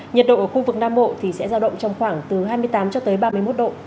nhiệt độ ở khu vực nam bộ thì sẽ giao động trong khoảng từ hai mươi tám cho tới ba mươi một độ